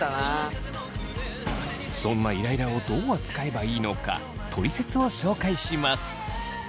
そんなイライラをどう扱えばいいのかトリセツを紹介します。